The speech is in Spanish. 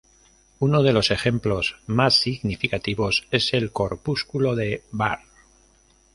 Uno de los ejemplos más significativos es el corpúsculo de Barr.